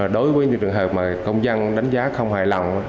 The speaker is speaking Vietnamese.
đối với những trường hợp mà công dân đánh giá không hài lòng